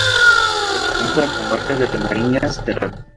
Pertenece a la comarca de la Mariña Central.